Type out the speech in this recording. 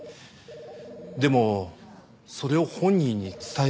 でもそれを本人に伝えたら。